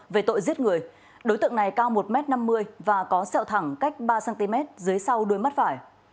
về tội giết người đối tượng này cao một m năm mươi và có sẹo thẳng cách ba cm dưới sau đuôi mắt phải